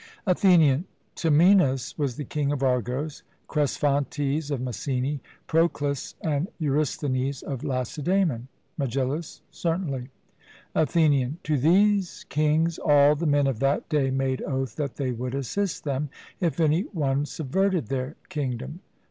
ATHENIAN: Temenus was the king of Argos, Cresphontes of Messene, Procles and Eurysthenes of Lacedaemon. MEGILLUS: Certainly. ATHENIAN: To these kings all the men of that day made oath that they would assist them, if any one subverted their kingdom.